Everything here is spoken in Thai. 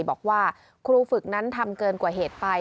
บอกว่าครูฝึกนั้นทำเกินกว่าเหตุไป